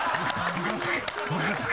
ムカつく！